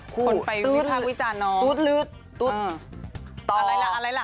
คนไปวิธีภาควิจารณ์ตูดตูดตูดอะไรล่ะอะไรล่ะ